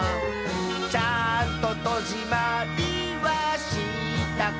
「ちゃんととじまりはしたかな」